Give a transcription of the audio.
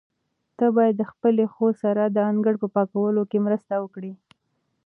ته باید د خپلې خور سره د انګړ په پاکولو کې مرسته وکړې.